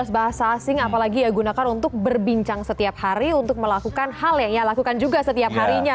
tujuh belas bahasa asing apalagi ya gunakan untuk berbincang setiap hari untuk melakukan hal yang dilakukan juga setiap harinya